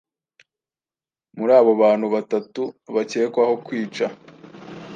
muri abo bantu batatu bakekwaho kwica